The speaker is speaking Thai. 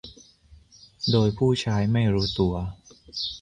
โดยผู้ใช้ไม่รู้ตัว